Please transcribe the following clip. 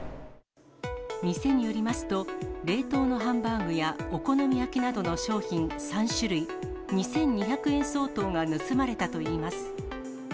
店によりますと、冷凍のハンバーグやお好み焼きなどの商品３種類、２２００円相当が盗まれたといいます。